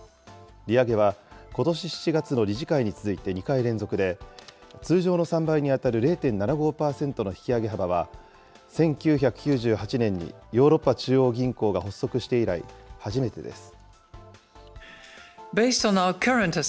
利上げはことし７月の理事会に続いて２回連続で、通常の３倍に当たる０．７５％の引き上げ幅は、１９９８年にヨーロッパ中央銀行が発足して以来、初めてです。